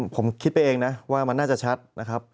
ผมคิดไปเองนะว่ามันน่าจะชัดนะครับ